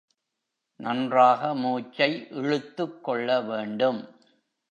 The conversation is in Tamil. நன்றாக மூச்சை இழுத்துக் கொள்ள வேண்டும்.